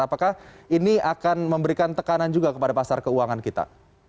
apakah ini akan memberikan tekanan juga kepada pasar keuangan kita